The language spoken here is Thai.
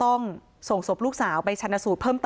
อาบน้ำเป็นจิตเที่ยว